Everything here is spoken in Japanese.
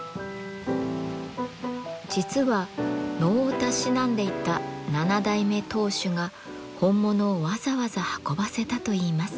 実は能をたしなんでいた七代目当主が本物をわざわざ運ばせたといいます。